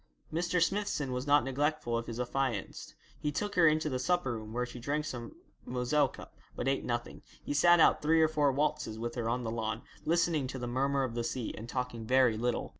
Mr. Smithson was not neglectful of his affianced. He took her into the supper room, where she drank some Moselle cup, but ate nothing. He sat out three or four waltzes with her on the lawn, listening to the murmer of the sea, and talking very little.